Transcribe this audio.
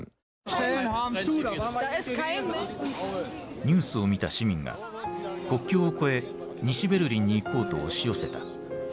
ニュースを見た市民が国境を越え西ベルリンに行こうと押し寄せた。